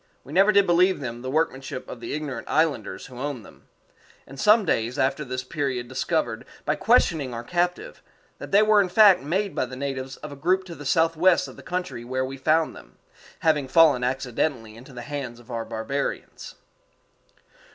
We never did believe them the workmanship of the ignorant islanders who owned them; and some days after this period discovered, by questioning our captive, that they were in fact made by the natives of a group to the southwest of the country where we found them, having fallen accidentally into the hands of our barbarians.